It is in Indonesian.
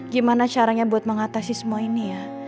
gimana caranya buat mengatasi semua ini ya